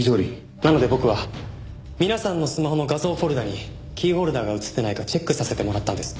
なので僕は皆さんのスマホの画像フォルダにキーホルダーが写ってないかチェックさせてもらったんです。